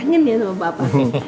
pengen ya sama papa